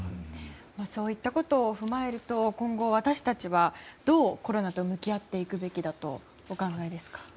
そういったことも踏まえると、今後私たちはどうコロナと向き合っていくべきだとお考えですか？